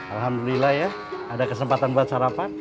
alhamdulillah ya ada kesempatan buat sarapan